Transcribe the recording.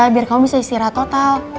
biar kamu bisa istirahat total